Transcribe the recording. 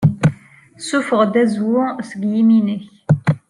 Ssuffeɣ-d azwu seg yimi-nnek.